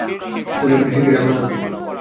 তাদের পেটে শিগগিরই আগুন লাগবে।